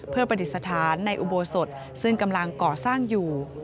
เพื่อประดิษฐานในอุโบสถซึ่งกำลังก่อสร้างอยู่